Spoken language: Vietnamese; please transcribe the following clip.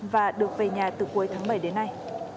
và được về nhà từ cuối tháng bảy đến nay